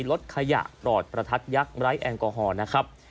ลดขยะปลอดประทัดยักษ์ไร้แอลกอฮอล์นะครับ